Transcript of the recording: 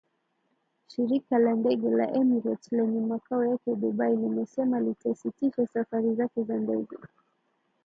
Shirika la ndege la Emirates lenye makao yake Dubai limesema litasitisha safari zake za ndege